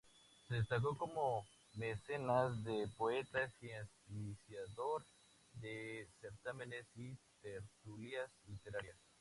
Se destacó como mecenas de poetas y auspiciador de certámenes y tertulias literarias.